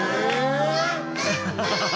ハハハハ！